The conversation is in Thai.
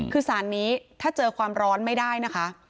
คือสารนี้ถ้าเจอความร้อนไม่ได้นะคะ